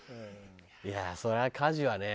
そりゃ家事はね